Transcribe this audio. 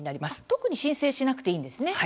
特に申請しなくていいんですね。